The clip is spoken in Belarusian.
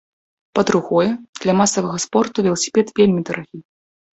Па-другое, для масавага спорту веласіпед вельмі дарагі.